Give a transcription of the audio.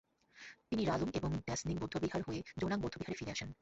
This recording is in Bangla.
তিনি রা-লুং এবং গ্নাস-র্ন্যিং বৌদ্ধবিহার হয়ে জো-নাং বৌদ্ধবিহারে ফিরে আসেন।